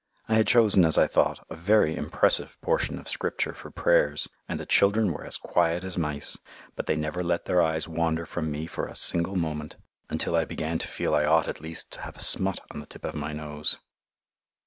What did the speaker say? I had chosen, as I thought, a very impressive portion of Scripture for Prayers, and the children were as quiet as mice. But they never let their eyes wander from me for a single moment, until I began to feel I ought at least to have a smut on the tip of my nose.